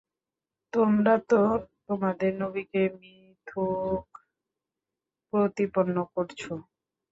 তোমরা তো তোমাদের নবীকে মিথুক প্রতিপন্ন করছ।